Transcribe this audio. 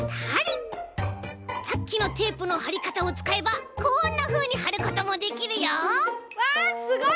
さっきのテープのはりかたをつかえばこんなふうにはることもできるよ！わすごい！